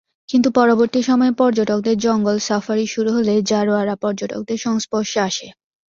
কিন্তু পরবর্তী সময়ে পর্যটকদের জঙ্গল সাফারি শুরু হলে জারোয়ারা পর্যটকদের সংস্পর্শে আসে।